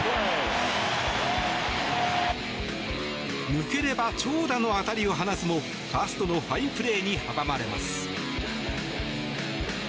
抜ければ長打の当たりを放つもファーストのファインプレーに阻まれます。